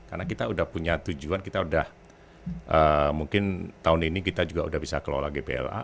karena kita sudah punya tujuan kita sudah mungkin tahun ini kita juga sudah bisa kelola gpl